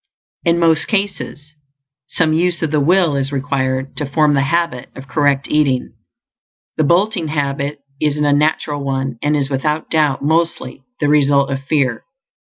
In most cases, some use of the will is required to form the habit of correct eating. The bolting habit is an unnatural one, and is without doubt mostly the result of fear.